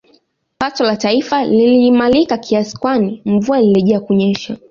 Pato la taifa liliimarika kiasi kwani mvua ilirejea kunyesha